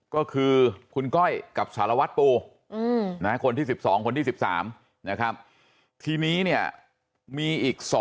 ก็คือคุณก้อยกับสารวัตรปูคนที่๑๒คนที่๑๓นะครับทีนี้เนี่ยมีอีก๒